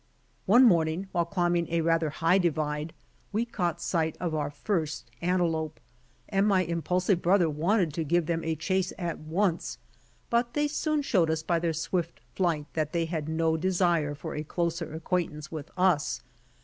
One morning, while climbing a rather high divide, we caught sight of our first antelope, and my impulsive brother wanted to give them a chase at once; but they soon showed us by their swift flight that they had no desire for a closer acquaintance with us.